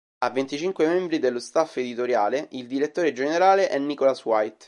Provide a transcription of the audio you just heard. Ha venticinque membri dello staff editoriale Il direttore generale è Nicholas White.